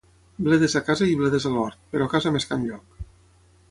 Bledes a casa i bledes a l'hort, però a casa més que enlloc.